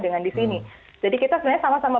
dengan di sini jadi kita sebenarnya sama sama